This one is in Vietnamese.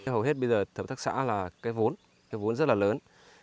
hầu hết bây giờ hợp tác xã là cái vốn cái vốn rất là lớn